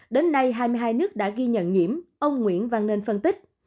đến nay hai mươi hai nước đã ghi nhận nhiễm ông nguyễn văn nên phân tích